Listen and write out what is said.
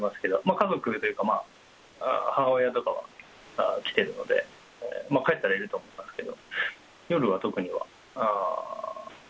家族でというか、母親とかは来てるので、帰ったらいると思いますけど。